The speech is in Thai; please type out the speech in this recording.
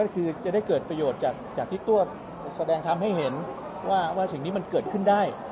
ก็คือจะได้เกิดประโยชน์จากที่ตัวแสดงทำให้เห็นว่าสิ่งนี้มันเกิดขึ้นได้